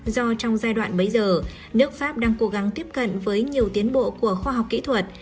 do trong giai đoạn bấy giờ nước pháp đang cố gắng tiếp cận với nhiều tiến bộ của khoa học kỹ thuật